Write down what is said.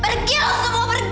pergi lo semua pergi